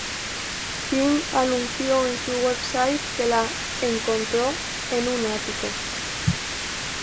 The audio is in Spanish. King anunció en su website que la "encontró" en un ático.